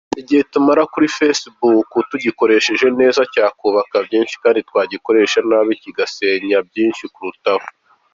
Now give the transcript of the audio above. Igihe tumara kuri facebook tugikoresheje neza cyakubaka byinshi kandi twagikoresha nabi kigasenya byinshi kurutaho.